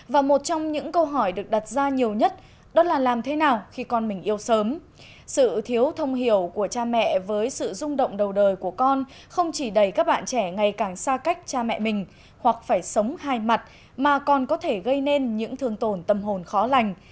với những biến đổi những rùng động đầu đời của con không chỉ đẩy các bạn trẻ ngày càng xa cách cha mẹ mình hoặc phải sống hai mặt mà còn có thể gây nên những thương tổn tâm hồn khó lành